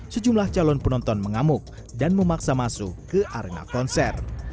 sejumlah calon penonton mengamuk dan memaksa masuk ke arena konser